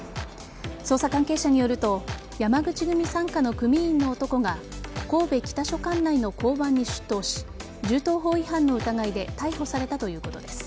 捜査関係者によると山口組傘下の組員の男が神戸北署管内の交番に出頭し銃刀法違反の疑いで逮捕されたということです。